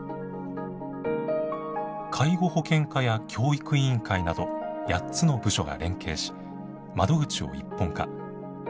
介護保険課や教育委員会など８つの部署が連携し窓口を一本化。